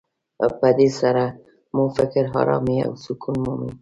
په دې سره مو فکر ارامي او سکون مومي.